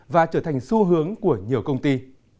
và trở thành xu hướng của nhiều công ty